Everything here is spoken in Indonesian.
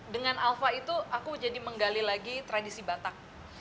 dengan alfa itu aku jadi menggali lagi tradisi batak